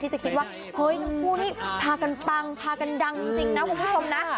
จะคิดว่าเฮ้ยทั้งคู่นี้พากันปังพากันดังจริงนะคุณผู้ชมนะ